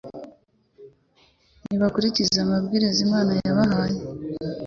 Nibakurikiza amabwiriza Imana yabahaye,